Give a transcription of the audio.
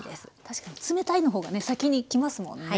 確かに冷たいの方がね先にきますもんね